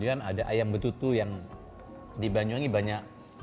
ayam makju itu yang di banyuwangi banyak